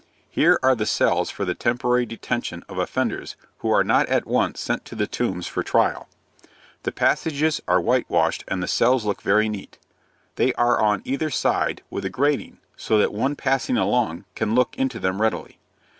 Here are the cells for the temporary detention of offenders who are not at once sent to the Tombs for trial. The passages are whitewashed and the cells look very neat. They are on either side, with a grating, so that one passing along can look into them readily.